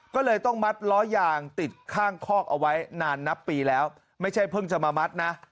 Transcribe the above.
ก็เลยต้องมัดล้อยางติดข้างคอกเอาไว้นานนับปีแล้วไม่ใช่เพิ่งจะมามัดนะ